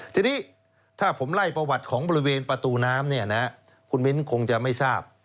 ทีนี้ถ้าผมไล่ประวัติของบริเวณประตูน้ำเนี่ยนะคุณมิ้นคงจะไม่ทราบ